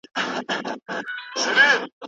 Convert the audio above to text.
له لاهوره تر ډیلۍ او تاجمحله